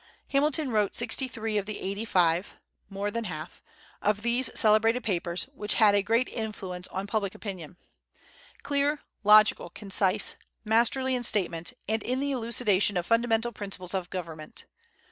Hamilton wrote sixty three of the eighty five (more than half) of these celebrated papers which had a great influence on public opinion, clear, logical, concise, masterly in statement, and in the elucidation of fundamental principles of government.